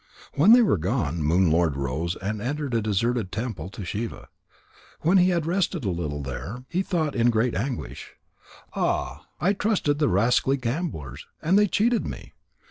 When they were gone, Moon lord rose and entered a deserted temple to Shiva. When he had rested a little there, he thought in great anguish: "Ah, I trusted the rascally gamblers, and they cheated me.